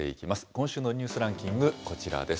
今週のニュースランキング、こちらです。